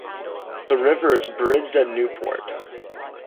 The river is bridged at Newport.